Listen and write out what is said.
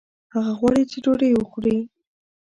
هغه غواړي چې ډوډۍ وخوړي